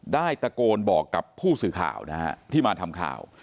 ได้ตะโกนบอกกับผู้สื่อข่าวนะฮะที่มาทำข่าว